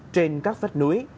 trên các vách núi